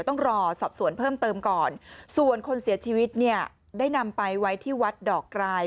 ต้องรอสอบสวนเพิ่มเติมก่อนส่วนคนเสียชีวิตเนี่ยได้นำไปไว้ที่วัดดอกกราย